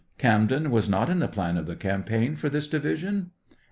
Camden was not in the plan of the campaign for this division